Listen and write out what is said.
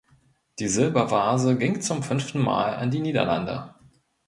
Die Silbervase ging zum fünften Mal an die Niederlande.